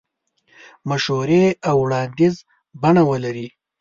مشورې او وړاندیز بڼه ولري.